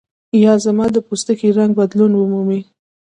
یا زما د پوستکي رنګ بدلون ومومي.